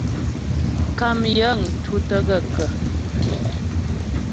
Kàm yəŋ tútə́ gaə̂kə̀ ?